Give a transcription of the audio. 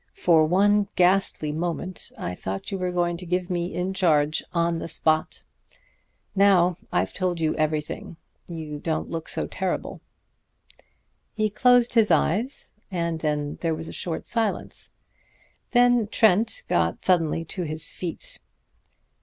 For one ghastly moment I thought you were going to give me in charge on the spot. Now I've told you everything, you don't look so terrible." He closed his eyes, and there was a short silence. Then Trent got suddenly to his feet.